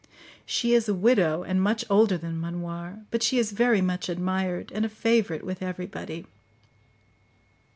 She is a widow, and much older than Manoir; but she is very much admired, and a favourite with everybody.